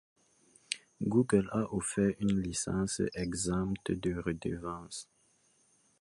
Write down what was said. Google a offert une licence exempte de redevances.